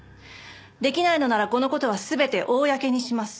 できないのならこの事は全て公にします。